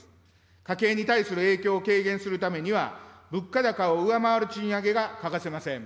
家計に対する影響を軽減するためには、物価高を上回る賃上げが欠かせません。